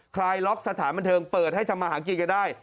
คลายล็อกสถานบันเทิงเปิดให้ทำมาหากินกันได้